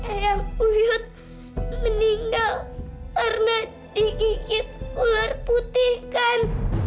eyang uyud meninggal karena digigit ular putih kan